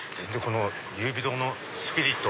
優美堂のスピリット